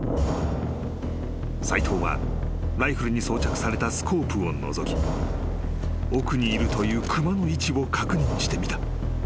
［斎藤はライフルに装着されたスコープをのぞき奥にいるという熊の位置を確認してみた］